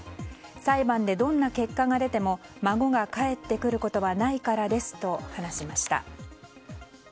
裁判でどんな結果が出ても孫が返ってくることはないからですと話しました。